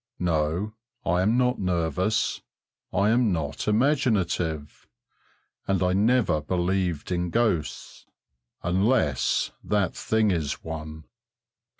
No, I am not nervous, I am not imaginative, and I never believed in ghosts, unless that thing is one.